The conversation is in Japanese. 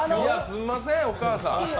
すんません、お母さん！